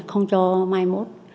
không cho mai mốt